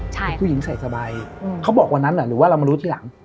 เป็นผู้หญิงใส่สบายเขาบอกวันนั้นหรือว่าเรามารู้ทีหลัง